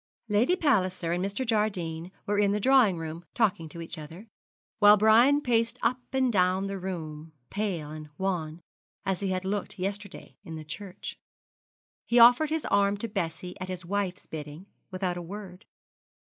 Lady Palliser and Mr. Jardine were in the drawing room talking to each other, while Brian paced up and down the room, pale and wan, as he had looked yesterday in the church. He offered his arm to Bessie at his wife's bidding, without a word.